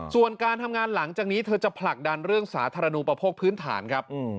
ส่วนการทำงานหลังจากนี้เธอจะผลักดันเรื่องสาธารณูประโภคพื้นฐานครับ